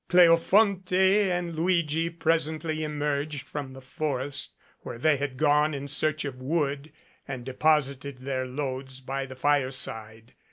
Cleof onte and Luigi presently emerged from the forest where they had gone in search of wood and deposited their loads by the fireside.